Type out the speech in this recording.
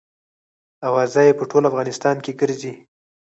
اوازه یې په ټول افغانستان کې ګرزي.